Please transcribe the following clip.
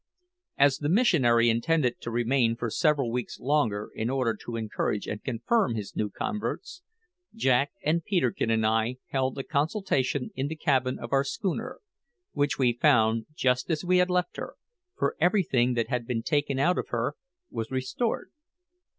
As the missionary intended to remain for several weeks longer in order to encourage and confirm his new converts, Jack and Peterkin and I held a consultation in the cabin of our schooner which we found just as we had left her, for everything that had been taken out of her was restored.